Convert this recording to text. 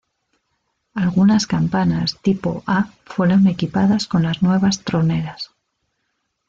Algunas campanas Tipo A fueron equipadas con las nuevas troneras.